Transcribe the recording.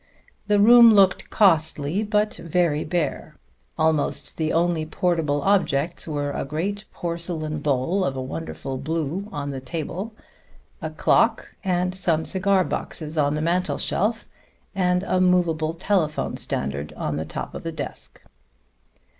The room looked costly but very bare. Almost the only portable objects were a great porcelain bowl of a wonderful blue on the table, a clock and some cigar boxes on the mantel shelf, and a movable telephone standard on the top of the desk.